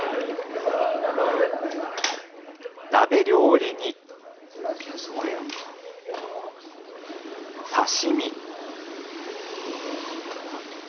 鍋料理に、刺身。